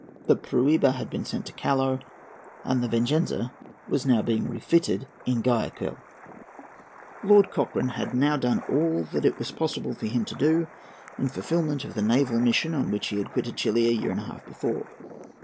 The Prueba had been sent to Callao, and the Venganza was now being refitted at Guayaquil. Lord Cochrane had now done all that it was possible for him to do in fulfilment of the naval mission on which he had quitted Chili a year and a half before.